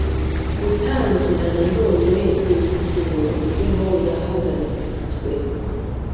gutangira nanone imikino imbeho yahagaritswe